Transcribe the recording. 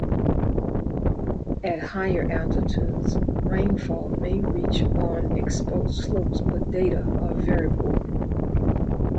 At higher altitudes, rainfall may reach on exposed slopes but data are very poor.